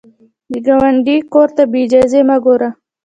د ګاونډي کور ته بې اجازې مه ګوره